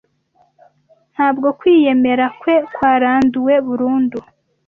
Ntabwo kwiyemera kwe kwaranduwe burundu.